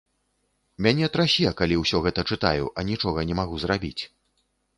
Мяне трасе, калі ўсё гэта чытаю, а нічога не магу зрабіць.